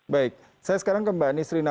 baik saya sekarang ke mbak nisrina